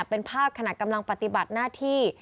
เป็นภาพขณะกำลังปฏิบัติหน้าที่